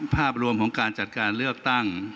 ภาพรวมของการจัดการเลือกตั้ง